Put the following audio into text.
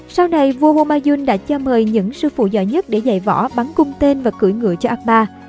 sau này vua humayun đã cho mời những sư phụ giỏi nhất để dạy võ bắn cung tên và cửi ngựa cho akbar